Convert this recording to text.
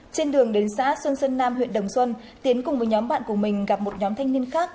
trên đường đến xã xuân xuân nam huyện đồng xuân tiến cùng với nhóm bạn của mình gặp một nhóm thanh niên khác